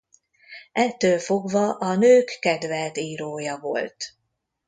Ettől fogva a nők kedvelt írója volt.